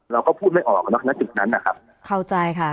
เราก็พูดไม่ออกสหรัฐจุดนั้น